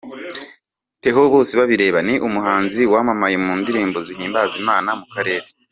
Theo Bosebabireba, ni umuhanzi wamamaye mu indirimbo zihimbaza Imana mu Karere.